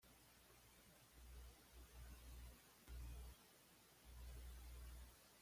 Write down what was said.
Ver Taxonomía de Papaveraceae para más información.